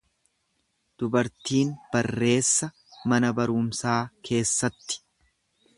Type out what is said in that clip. Dubartiin barreessa mana barumsaa keessatti.